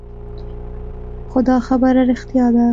خو دا خبره رښتيا ده.